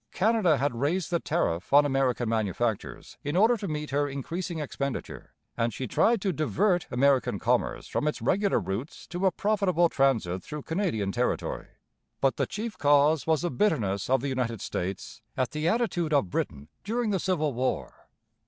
Canada had raised the tariff on American manufactures in order to meet her increasing expenditure; and she tried to divert American commerce from its regular routes to a profitable transit through Canadian territory. But the chief cause was the bitterness of the United States at the attitude of Britain during the Civil War.